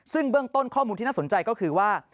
ซึ่งเบื้องต้นข้อมูลที่น่าสนใจก็คือว่า